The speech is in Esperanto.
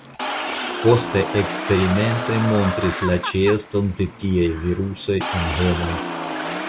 Postaj eksperimentoj montris la ĉeeston de tiaj virusoj en homoj.